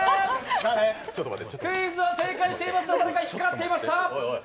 クイズは正解していましたが誰か引っかかっていました。